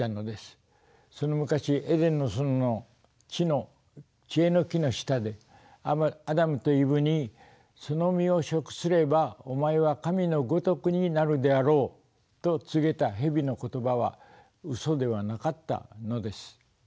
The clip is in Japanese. その昔エデンの園の知恵の樹の下でアダムとイヴに「その実を食すればお前は神のごとくになるであろう」と告げた蛇の言葉はうそではなかったのです。